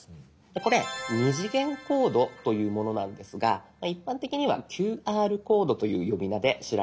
これ「２次元コード」というものなんですが一般的には「ＱＲコード」という呼び名で知られていると思います。